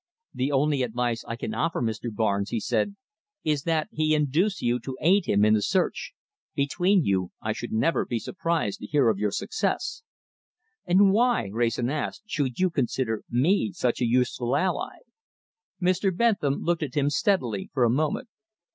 "The only advice I can offer Mr. Barnes," he said, "is that he induce you to aid him in his search. Between you, I should never be surprised to hear of your success." "And why," Wrayson asked, "should you consider me such a useful ally?" Mr. Bentham looked at him steadily for a moment.